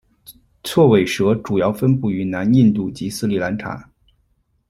锉尾蛇主要分布于南印度及斯里兰卡。